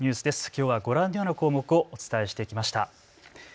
きょうはご覧の項目をお伝えしてきました。